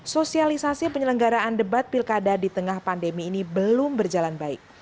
sosialisasi penyelenggaraan debat pilkada di tengah pandemi ini belum berjalan baik